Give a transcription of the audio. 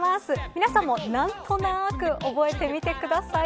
皆さんも、何となく覚えてみてください。